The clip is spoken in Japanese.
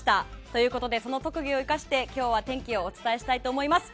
ということでその特技を生かして今日は天気をお伝えしたいと思います。